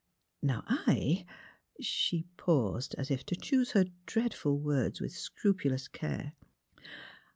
Now I " She paused, as if to choose her dreadful words with scrupulous care.